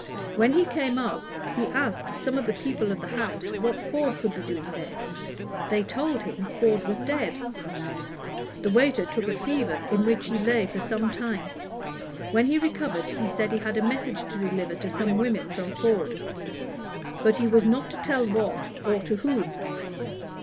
When he came up, he asked some of the people of the house what Ford could be doing there. They told him Ford was dead. The waiter took a fever, in which he lay for some time. When he recovered, he said he had a message to deliver to some women from Ford; but he was not to tell what, or to whom.